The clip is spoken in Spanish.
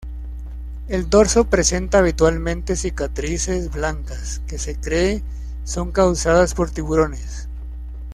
El dorso presenta habitualmente cicatrices blancas, que se cree son causadas por tiburones.